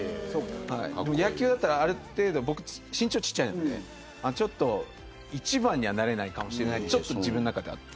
野球だったら、ある程度僕、身長ちっちゃいので一番にはなれないかもしれないというのが自分の中ではあって